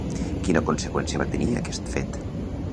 Quina conseqüència va tenir aquest fet?